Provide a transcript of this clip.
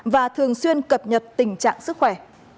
và thường xuyên cập nhật tình trạng sức khỏe